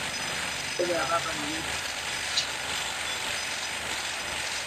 ukiwa unaishi karibu na mto au mfereji